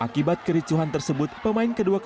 tidak mungkin kan